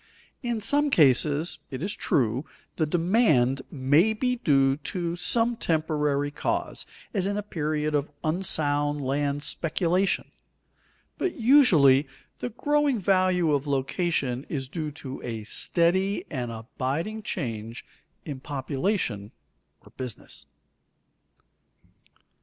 In some cases, it is true, the demand may be due to some temporary cause, as in a period of unsound land speculation, but usually the growing value of location is due to a steady and abiding change in population or business.